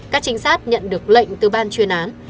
các trinh sát nhận được lệnh từ ban chuyên án